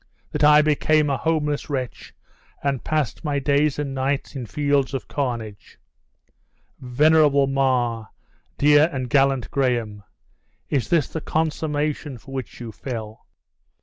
that I became a homeless wretch, and passed my days and nights in fields of carnage? Venerable Mar, dear and valiant Graham! is this the consummation for which you fell?"